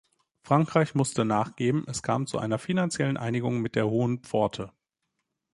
Frankreich musste nachgeben, es kam zu einer finanziellen Einigung mit der Hohen Pforte.